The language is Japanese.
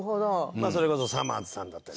まあそれこそさまぁずさんだったり。